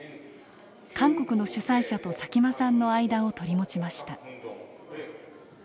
韓国の主催者と佐喜眞さんの間を取り持ちました。